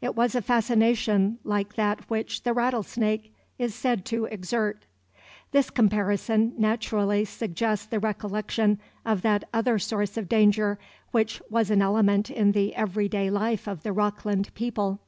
It was a fascination like that which the rattlesnake is said to exert. This comparison naturally suggests the recollection of that other source of danger which was an element in the every day life of the Rockland people.